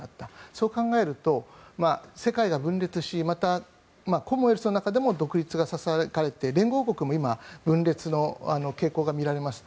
そう考えると世界が分裂しまた、コモンウェルスの中でも独立がささやかれて連合国も今、分裂の傾向が見られます。